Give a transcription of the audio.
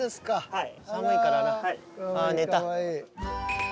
はい。